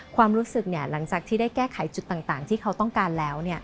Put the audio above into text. ความรู้สึกหลังจากที่ได้แก้ไขจุดต่างที่เขาต้องการแล้ว